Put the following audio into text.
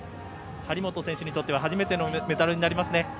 張本選手にとっては初めてのメダルですね。